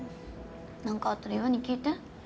なんかあったら優愛に聞いて。